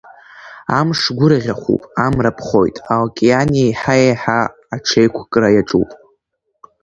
Амш гәырӷьахәуп, амра ԥхоит, аокеан еиҳа-еиҳа аҽеиқәкра иаҿуп.